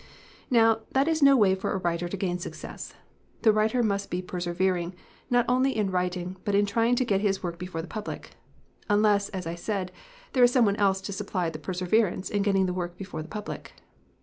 "Now, that is no way for a writer to gain success. The writer must be persevering, not only 23 LITERATURE IN THE MAKING in writing, but in trying to get his work before the public. Unless, as I said, there is some one else to supply the perseverance in getting the work before the public.